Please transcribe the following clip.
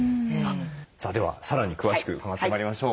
さあではさらに詳しく伺ってまいりましょう。